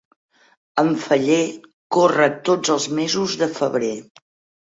En Feller corre tots els mesos de febrer.